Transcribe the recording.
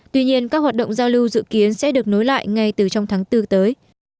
tuy nhiên các hoạt động giao lưu dự kiến sẽ được nối lại ngay từ trong tháng bốn tới